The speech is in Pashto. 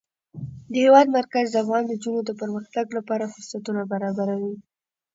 د هېواد مرکز د افغان نجونو د پرمختګ لپاره فرصتونه برابروي.